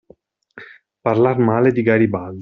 Parlare male di Garibaldi.